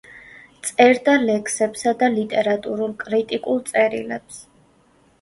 წერდა ლექსებსა და ლიტერატურულ-კრიტიკულ წერილებს.